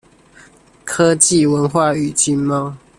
科技、文化與經貿